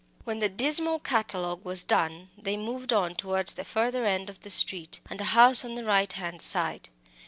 When the dismal catalogue was done, they moved on towards the further end of the street, and a house on the right hand side.